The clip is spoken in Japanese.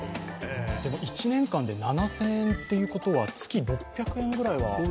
でも１年間で７０００円ということは月６００円ぐらいは。